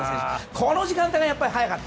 この時間が早かった。